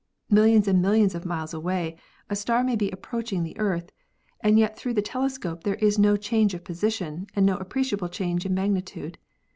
Millions and millions of miles away a star may be approaching the Earth, and yet through the telescope there is no change of position and no appreciable change in magnitude.